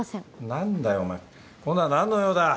何だよお前今度は何の用だ。